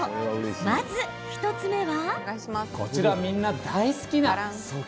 まず１つ目は。